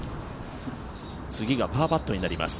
次がパーパットになります。